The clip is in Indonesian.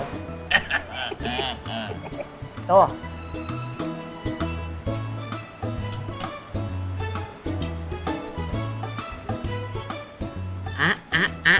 gua pakai segala suap